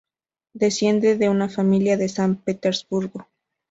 Descendiente de una familia de San Petersburgo.